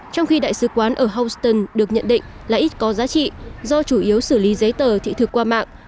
trong khi đại sứ quán ở houston được nhận định là ít có giá trị do chủ yếu xử lý giấy tờ thị thực qua mạng